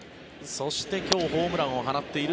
そして、今日ホームランを放っている